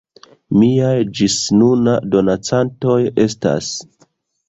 Miaj ĝis nuna donacantoj estas:...